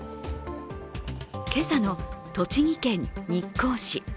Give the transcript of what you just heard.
今朝の栃木県日光市。